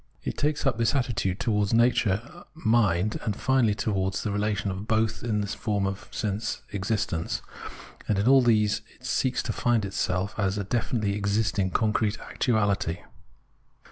It takes up this attitude towards Nature, Mind, and finally towards the relation of both in the form of sense existence ; and in all these it seeks to find itself as a definitely existing concrete actuality.